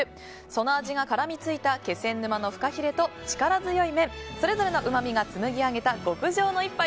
その味が絡みついた気仙沼のフカヒレと力強い麺それぞれのうまみが紡ぎ上げた極上の一杯。